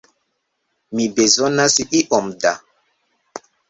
Mi bezonas iom da...